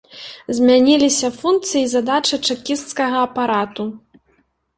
Змяніліся функцыі і задачы чэкісцкага апарату.